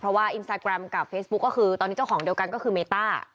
เพราะว่าอินสตาแกรมกับเฟซบุ๊คก็คือตอนนี้เจ้าของเดียวกันก็คือเมต้า